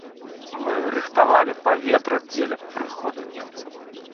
Мы рыхтавалі паветра дзеля прыходу немцаў.